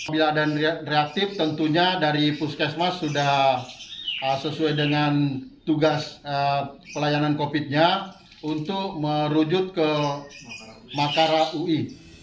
bila ada reaktif tentunya dari puskesmas sudah sesuai dengan tugas pelayanan covid sembilan belas untuk merujut ke makara ui